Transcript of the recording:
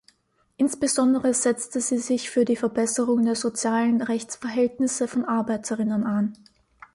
Insbesondere setzte sie sich für die Verbesserung der sozialen Rechtsverhältnisse von Arbeiterinnen ein.